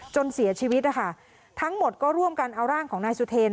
จนเสียชีวิตนะคะทั้งหมดก็ร่วมกันเอาร่างของนายสุเทรน